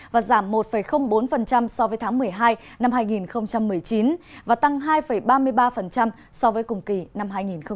và giảm một bốn so với tháng một mươi hai năm hai nghìn một mươi chín và tăng hai ba mươi ba so với cùng kỳ năm hai nghìn một mươi tám